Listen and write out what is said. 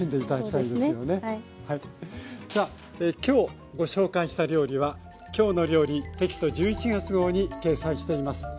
さあ今日ご紹介した料理は「きょうの料理」テキスト１１月号に掲載しています。